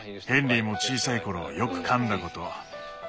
ヘンリーも小さい頃よくかんだこと。